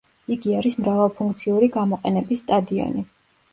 იგი არის მრავალფუნქციური გამოყენების სტადიონი.